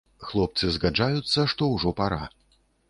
Хлопцы згаджаюцца, што ўжо пара.